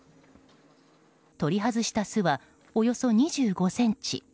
取り外した巣はおよそ２５ｃｍ。